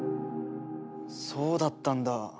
そうだったんだ。